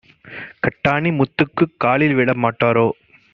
கட்டாணி முத்துக்குக் காலில்விழ மாட்டாரோ?"